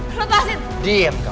eh lepasin gak